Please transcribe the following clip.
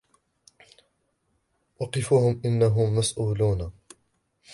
وَقِفُوهُمْ إِنَّهُمْ مَسْئُولُونَ